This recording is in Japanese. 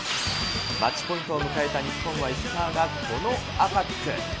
マッチポイントを迎えた日本は石川がこのアタック。